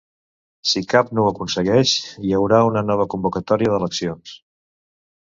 Si cap no ho aconsegueix, hi haurà una nova convocatòria d'eleccions.